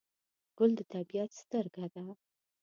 ګل د طبیعت سترګه ده.